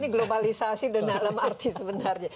ini globalisasi dalam arti sebenarnya